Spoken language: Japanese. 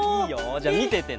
じゃみててね。